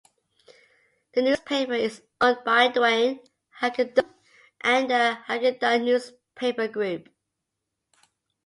The newspaper is owned by Duane Hagadone and the Hagadone Newspaper Group.